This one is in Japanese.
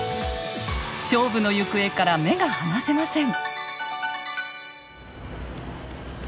勝負の行方から目が離せません。